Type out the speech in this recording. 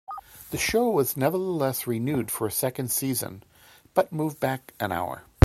The show was nonetheless renewed for a second season, but moved back an hour.